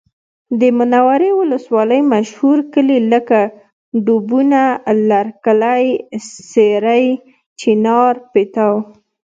د منورې ولسوالۍ مشهور کلي لکه ډوبونه، لرکلی، سېرۍ، چینار، پیتاو